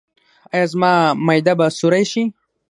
ایا زما معده به سورۍ شي؟